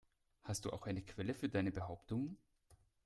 Hast du auch eine Quelle für deine Behauptungen?